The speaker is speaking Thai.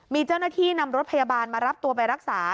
มีเจ้าหน้าที่นำรถพยาบาลมารับตัวไปรักษา